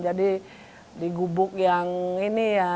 jadi di gubuk yang ini ya